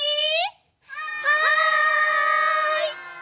はい！